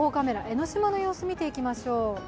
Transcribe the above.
江の島の様子を見ていきましょう。